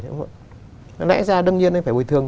nó lẽ ra đương nhiên phải bồi thường